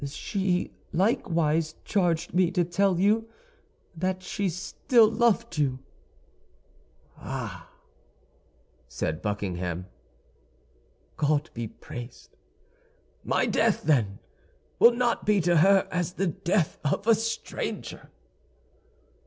"She likewise charged me to tell you that she still loved you." "Ah," said Buckingham, "God be praised! My death, then, will not be to her as the death of a stranger!"